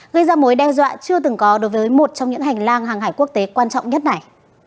gây ra mối đe dọa chưa từng có đối với một trong những hành lang hàng hải quốc tế quan trọng nhất này